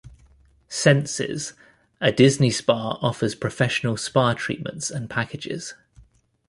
Senses - A Disney Spa offers professional spa treatments and packages.